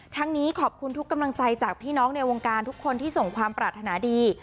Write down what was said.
นี้ขอบคุณทุกกำลังใจจากพี่น้องในวงการทุกคนที่ส่งความปรารถนาดี